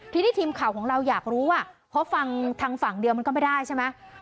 ทีนี้ทีมข่าวของเราอยากรู้ว่าเพราะฟังทางฝั่งเดียวมันก็ไม่ได้ใช่ไหม